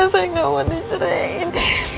saya gak mau diseraiin